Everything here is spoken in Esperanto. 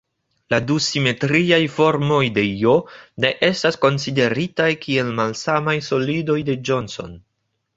La du simetriaj formoj de "J" ne estas konsideritaj kiel malsamaj solidoj de Johnson.